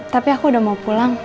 tapi aku udah mau pulang